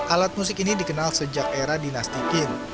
alat musik ini dikenal sejak era dinasti kin